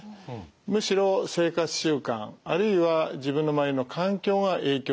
むしろ生活習慣あるいは自分の周りの環境が影響すると。